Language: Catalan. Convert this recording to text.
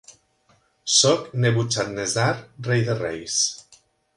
Sóc Nebuchadnezzar, rei de reis.